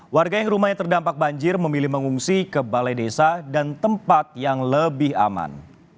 warga yang rumahnya terdampak banjir memilih mengungsi ke balai desa dan tempat yang lebih aman